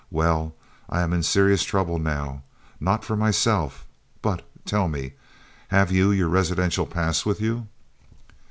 Well, I am in serious trouble now not for myself but, tell me, have you your residential pass with you?"